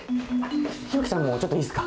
日置さんもちょっといいっすか？